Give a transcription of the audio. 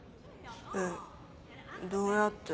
えどうやって？